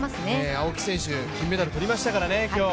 青木選手、金メダルとりましたからね、今日。